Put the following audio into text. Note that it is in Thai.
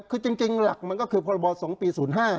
คือจริงจริงหลักมันก็คือพบส๐๕